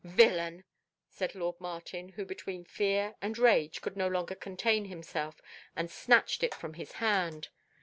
"Villain," said lord Martin, who between fear and rage could no longer contain himself, and snatched it from his hand.